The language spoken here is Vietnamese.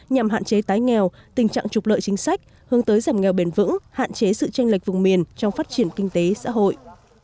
nhằm hạn chế tái nghèo tình trạng trục lợi chính sách hướng tới giảm nghèo bền vững hạn chế sự tranh lệch vùng miền trong phát triển kinh tế xã hội